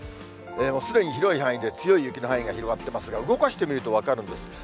すでに広い範囲で強い雪の範囲が広がってますが、動かしてみると分かるんです。